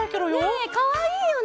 ねっかわいいよね。